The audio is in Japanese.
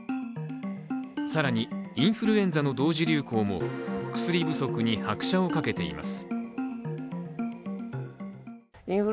更にインフルエンザの同時流行も薬不足に拍車をかけています。